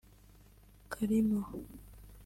‘Karimo’